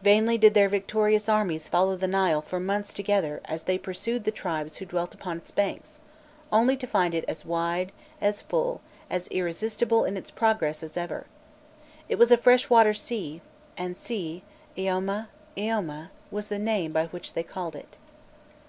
Vainly did their victorious armies follow the Nile for months together as they pursued the tribes who dwelt upon its banks, only to find it as wide, as full, as irresistible in its progress as ever. It was a fresh water sea, and sea iaûmâ, iôma was the name by which they called it.